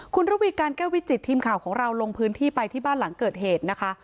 คุณระวีการแก้ววิจิตทีมข่าวของเราลงพื้นที่ไปที่บ้านหลังเกิดเหตุนะคะ